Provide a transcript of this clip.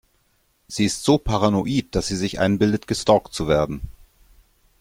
Sie ist so paranoid, dass sie sich einbildet, gestalkt zu werden.